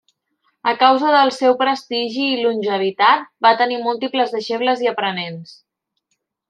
A causa del seu prestigi i longevitat, va tenir múltiples deixebles i aprenents.